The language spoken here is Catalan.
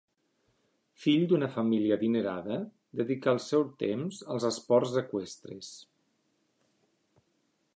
Fill d'una família adinerada dedicà el seu temps als esports eqüestres.